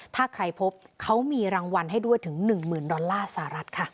ถ้าใครพบเขามีรางวัลให้ด้วยถึง๑๐๐๐ดอลลาร์สหรัฐค่ะ